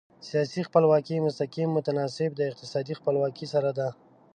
سیاسي خپلواکي مستقیم متناسب د اقتصادي خپلواکي سره ده.